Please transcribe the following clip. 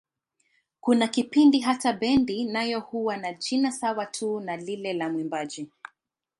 Kuna kipindi hata bendi nayo huwa na jina sawa tu na lile la mwimbaji.